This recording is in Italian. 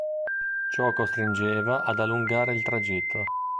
Ciò costringeva ad allungare il tragitto.